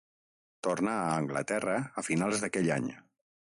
Tornà a Anglaterra a finals d'aquell any.